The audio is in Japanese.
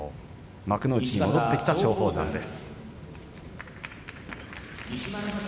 幕内に戻ってきた松鳳山です。